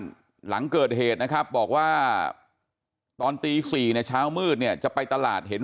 หลังเกิดเหตุนะครับบอกว่าตอนตี๔เนี่ยเช้ามืดเนี่ยจะไปตลาดเห็น